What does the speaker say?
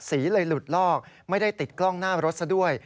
สีเลยหลุดลอกไม่ได้ติดกล้องหน้ารถซะด้วย